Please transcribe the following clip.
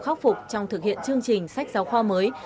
chính phủ khắc phục trong thực hiện chương trình sách giáo khoa mới